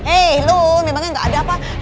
eh lo memangnya gak ada apa apa